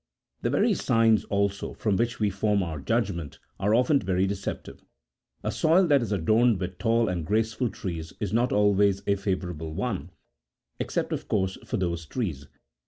The very signs, also, from which we form our judgment are often very deceptive ; a soil that is adorned with tall and graceful trees is not always a favourable one, except, of course, for those trees.